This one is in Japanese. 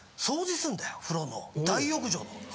風呂の大浴場の。